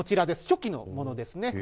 初期のものですね。